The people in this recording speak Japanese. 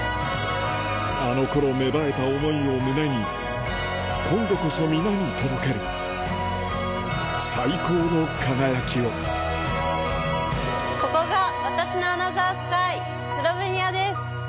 あの頃芽生えた思いを胸に今度こそ皆に届ける最高の輝きをここが私のアナザースカイスロベニアです。